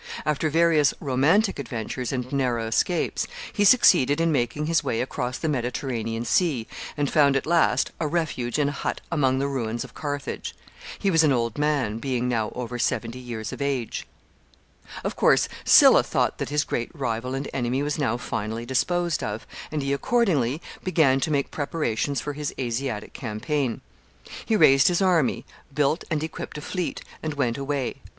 After various romantic adventures and narrow escapes, he succeeded in making his way across the Mediterranean Sea, and found at last a refuge in a hut among the ruins of Carthage. He was an old man, being now over seventy years of age. [Sidenote: Return of Marius.] [Sidenote: He marches against Rome.] Of course, Sylla thought that his great rival and enemy was now finally disposed of, and he accordingly began to make preparations for his Asiatic campaign. He raised his army, built and equipped a fleet, and went away.